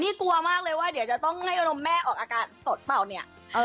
นี่กลัวมากเลยว่าเดี๋ยวจะต้องให้กันมแม่ออกอาการสดเปราแนี่ย